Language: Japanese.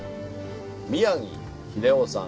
宮城秀雄さん。